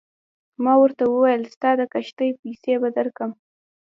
ما ورته وویل ستا د کښتۍ پیسې به درکړم.